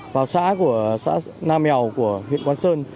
vào xã nam mèo của huyện quán sơn